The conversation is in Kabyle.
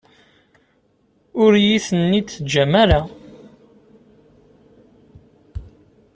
Ur iyi-ten-id-teǧǧam ara.